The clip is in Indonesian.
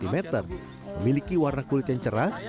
memiliki warna kulit yang cerah